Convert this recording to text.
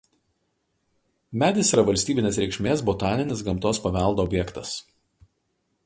Medis yra valstybinės reikšmės botaninis gamtos paveldo objektas.